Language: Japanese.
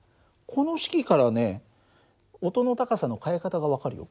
この式からね音の高さの変え方が分かるよ。